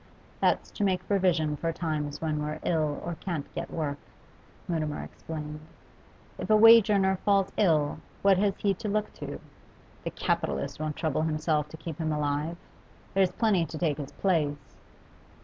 'That's to make provision for times when we're ill or can't get work,' Mutimer explained. 'If a wage earner falls ill, what has he to look to? The capitalist won't trouble himself to keep him alive; there's plenty to take his place.